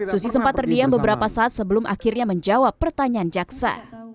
susi sempat terdiam beberapa saat sebelum akhirnya menjawab pertanyaan jaksa